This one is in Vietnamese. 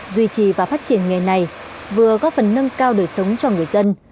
duy trì và phát triển nghề này vừa góp phần nâng cao đời sống cho người dân